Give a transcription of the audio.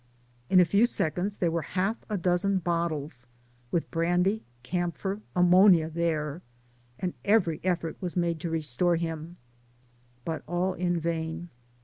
In a few seconds, there were half a dozen bottles, with brandy, camphor, ammonia there, and every effort was made to restore him, but all in vain.